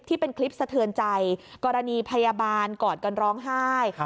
ที่เป็นคลิปสะเทือนใจกรณีพยาบาลกอดกันร้องไห้